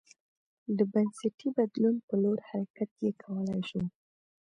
د بنسټي بدلون په لور حرکت یې کولای شو